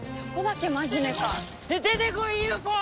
出てこいＵＦＯ！